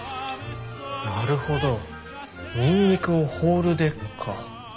なるほどニンニクをホールでか。